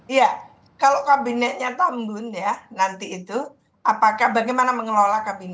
iya kalau kabinetnya tambun ya nanti itu apakah bagaimana mengelola kabinet